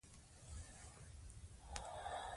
لیکوال زموږ لارښود دی.